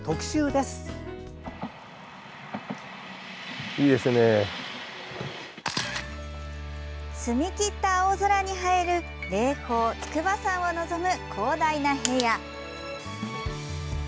澄み切った青空に映える霊峰・筑波山を望む、広大な平野。